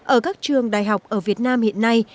ở các trường đại học ở việt nam hiện nay